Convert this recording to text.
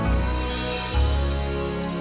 pernah witak bangkang